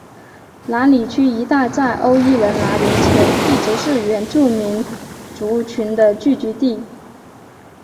兰里区一带在欧裔人来临前一直是原住民族群的聚居地。